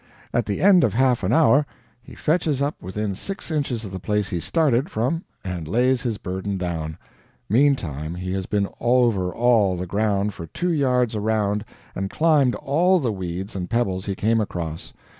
At the end of half an hour, he fetches up within six inches of the place he started from and lays his burden down; meantime he has been over all the ground for two yards around, and climbed all the weeds and pebbles he came across.